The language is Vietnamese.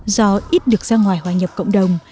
do ít được ra ngoài hòa nhập cộng đồng